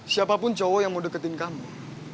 siapapun cowok yang mau deketin kamu